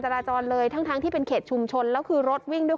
จราจรเลยทั้งทั้งที่เป็นเขตชุมชนแล้วคือรถวิ่งด้วย